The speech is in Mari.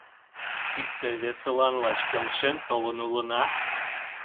Икте-весылан лач келшен толын улына.